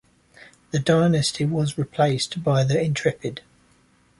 The Dynasty was replaced by the Intrepid.